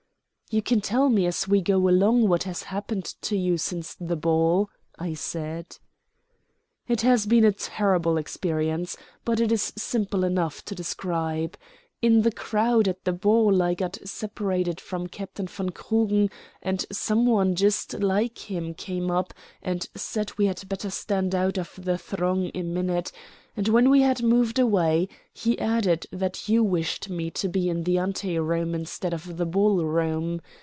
"You can tell me as we go along what has happened to you since the ball," I said. "It has been a terrible experience, but it is simple enough to describe. In the crowd at the ball I got separated from Captain von Krugen, and some one just like him came up and said we had better stand out of the throng a minute; and when we had moved away, he added that you wished me to be in the ante room instead of the ball room.